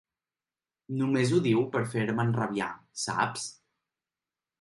Només ho diu per fer-me enrabiar, saps?